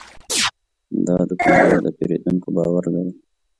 دا دوکاندار د پیرودونکو باور لري.